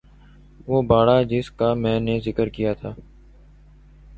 وہ باڑہ جس کا میں نے ذکر کیا ہے